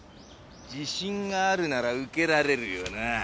自信があるなら受けられるよなぁ？